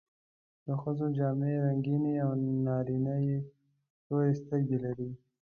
د ښځو جامې رنګینې او نارینه یې تورې سترګې لري.